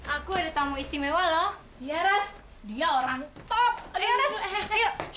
aku ada tamu istimewa loh dia orang top